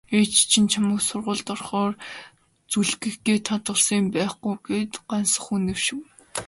"Ээж чинь чамайг сургуульд орохоор зүүлгэх гээд хадгалсан юм байлгүй" гэхэд Гансүх үнэмшив.